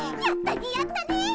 やったねやったね！